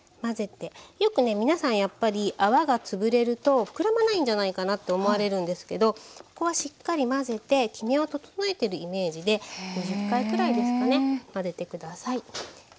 よくね皆さんやっぱり泡がつぶれると膨らまないんじゃないかなって思われるんですけどここはしっかり混ぜてきめを整えてるイメージで２０回くらいですかね混ぜて下さい。